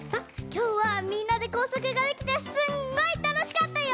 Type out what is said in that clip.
きょうはみんなで工作ができてすんごいたのしかったよ！